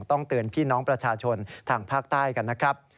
ต้องเตือนพี่น้องประชาชนทางภาคใต้กันนะครับ